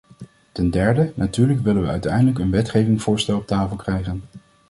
Ten derde: natuurlijk willen we uiteindelijk een wetgevingsvoorstel op tafel krijgen.